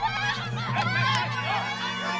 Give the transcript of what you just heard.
wuih jangan lari